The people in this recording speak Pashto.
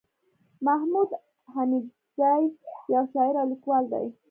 محمود حميدزى يٶ شاعر او ليکوال دئ